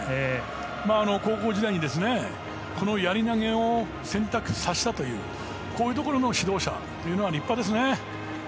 高校時代にやり投げを選択させたというこういうところの指導者というのは立派ですね。